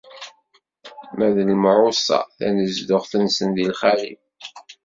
Ma d imɛuṣa, tanezduɣt-nsen di lxali.